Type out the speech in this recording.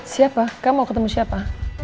siapa kamu mau ketemu siapa